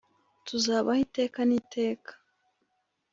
tuzabaho iteka niteka